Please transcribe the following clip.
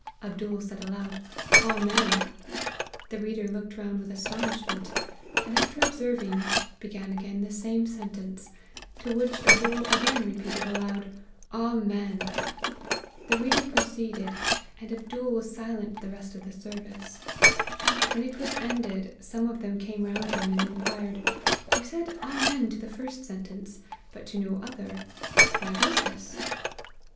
Ab dool said aloud, * Amen !' The reader looked round with astonishment ; and after observing, be gan again the same sentence ; to which Abdool again repeated aloud, * Amen !' The reader pro ceeded, and Abdool was silent the rest of the ser vice. When it was ended, some of them came round him, and inquired, ' You said Amen to the first sentence, but to no other ; why was this